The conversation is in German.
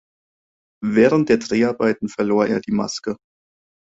Während der Dreharbeiten verlor er die Maske.